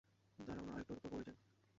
দাঁড়া না, আরেকটু অপেক্ষা করে যাই।